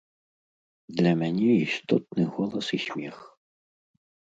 Для мяне істотны голас і смех.